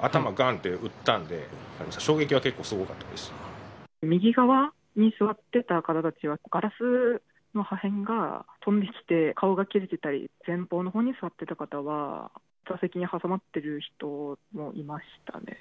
頭がんって打ったんで、衝撃は結構すごかったで右側に座ってた方たちは、ガラスの破片が、飛んできて、顔が切れてたり、前方のほうに座ってる方は、座席に挟まってる人もいましたね。